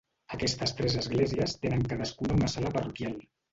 Aquestes tres esglésies tenen cadascuna una sala parroquial.